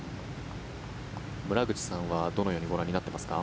村口さんはどのようにご覧になっていますか？